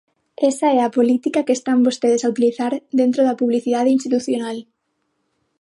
Esa é a política que están vostedes a utilizar dentro da publicidade institucional.